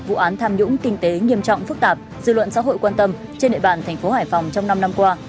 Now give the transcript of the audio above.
vụ án tham nhũng kinh tế nghiêm trọng phức tạp dư luận xã hội quan tâm trên địa bàn thành phố hải phòng trong năm năm qua